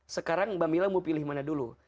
sekarang mbak mila mau pilih mana dulu